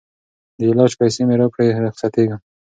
د علاج پیسې مي راکړه رخصتېږم